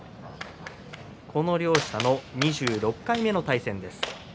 この両者、２６回目の対戦です。